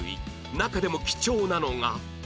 中でも貴重なのが